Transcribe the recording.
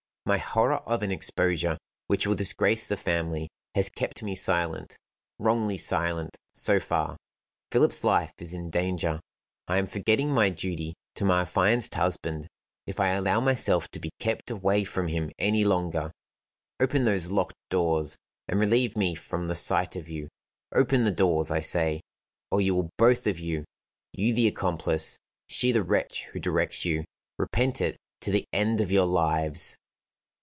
My horror of an exposure which will disgrace the family has kept me silent, wrongly silent, so far. Philip's life is in danger. I am forgetting my duty to my affianced husband, if I allow myself to be kept away from him any longer. Open those locked doors, and relieve me from the sight of you. Open the doors, I say, or you will both of you you the accomplice, she the wretch who directs you repent it to the end of your lives."